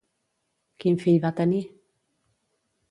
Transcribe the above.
Quin fill va tenir?